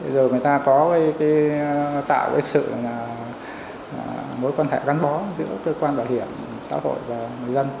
rồi người ta có tạo sự mối quan hệ gắn bó giữa cơ quan bảo hiểm xã hội và người dân